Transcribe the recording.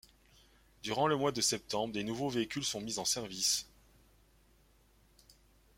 Durant le mois de septembre des nouveaux véhicules sont mis en service.